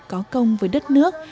có công với đất nước